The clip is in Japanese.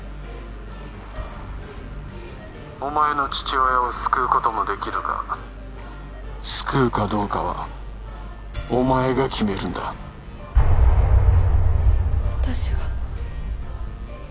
お前の父親を救うこともできるが救うかどうかはお前が決めるんだ私が？